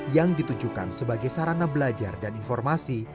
yang ditujukan sebagai sarana belajar dan informasi